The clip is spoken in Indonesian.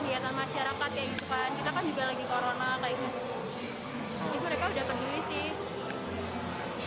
ya mereka udah peduli sih